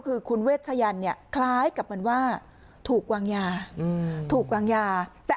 คือคุณเวชยันเนี่ยคล้ายกับเหมือนว่าถูกวางยาถูกวางยาแต่